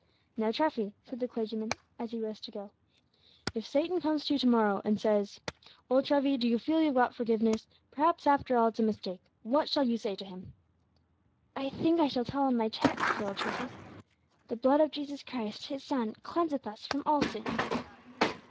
"Now, Treffy," said the clergyman, as he rose to go, "if Satan comes to you to morrow and says, 'Old Treffy, do you feel you've got forgiveness? perhaps after all it's a mistake,' what shall you say to him?" "I think I shall tell him my text," said old Treffy, "'The blood of Jesus Christ, His Son, cleanseth us from all sin.'"